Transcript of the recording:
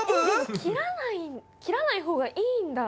切らない切らないほうがいいんだ！